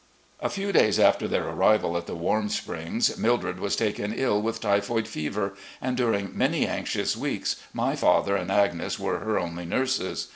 ..." A few days after their arrival at the Warm Springs, Mildred was taken ill with typhoid fever, and during many anxious weeks my father and Agnes were her only nurses.